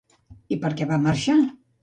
I per què va marxar?